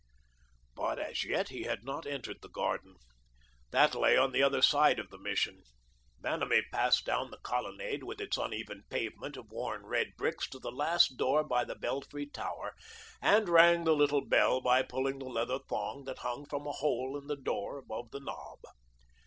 But as yet he had not entered the garden. That lay on the other side of the Mission. Vanamee passed down the colonnade, with its uneven pavement of worn red bricks, to the last door by the belfry tower, and rang the little bell by pulling the leather thong that hung from a hole in the door above the knob.